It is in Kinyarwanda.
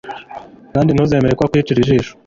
kandi ntuzemere ko akwicira ijisho